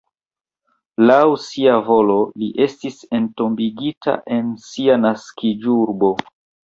Laŭ sia volo li estis entombigita en sia naskiĝurbo.